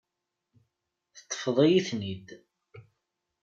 Teṭṭfeḍ-iyi-ten-id.